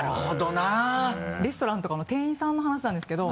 レストランとかの店員さんの話なんですけど。